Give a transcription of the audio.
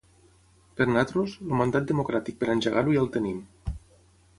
Per nosaltres, el mandat democràtic per engegar-ho ja el tenim.